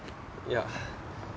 いや。